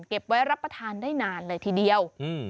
เก็บไว้รับประทานได้นานเลยทีเดียว